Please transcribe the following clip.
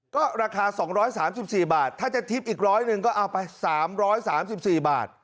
ก็ราคาสองร้อยสามสิบสี่บาทถ้าจะทิบอีกร้อยหนึ่งก็เอาไปสามร้อยสามสิบสี่บาท